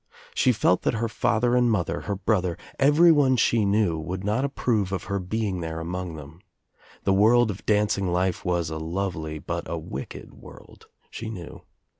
She felt that her father and mother, her brother, everyone she knew would not approve of her being there among them. The world of dancing life was a lovely but a wicked world. She knew.